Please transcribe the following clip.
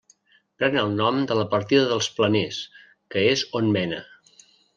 Pren el nom de la partida dels Planers, que és on mena.